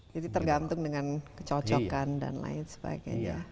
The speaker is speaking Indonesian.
jadi tergantung dengan kecocokan dan lain sebagainya